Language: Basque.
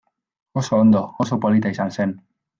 Oso ondo, oso polita izan zen.